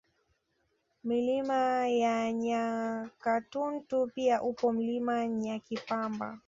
Milima ya Nyakatuntu pia upo Mlima Nyakipamba